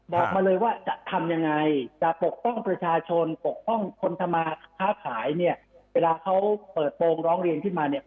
บอกมาเลยว่าจะทำยังไง